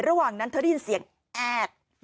ระหว่างนั้นเธอได้ยินเสียงแอด